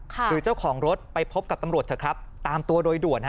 หรือเจ้าของรถไปพบกับตำรวจเถอะครับตามตัวโดยด่วนฮะ